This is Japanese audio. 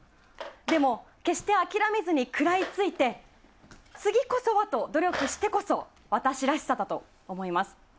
でも、決して諦めずに食らいついて次こそはと努力してこそ私らしさだと思います。